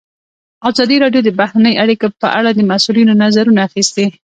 ازادي راډیو د بهرنۍ اړیکې په اړه د مسؤلینو نظرونه اخیستي.